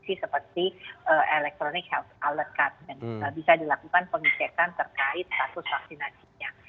bisa dilakukan pengecekan terkait status vaksinasi nya